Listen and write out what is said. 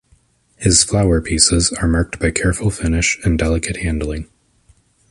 His flower pieces are marked by careful finish and delicate handling.